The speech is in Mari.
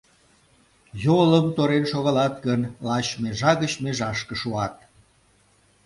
Йолым торен шогалат гын, лач межа гыч межашке шуат.